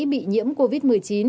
bị nhiễm covid một mươi chín